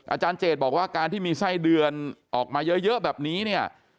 อาจารย์เจดบอกว่าการที่มีไส้เดือนออกมาเยอะแบบนี้เนี่ย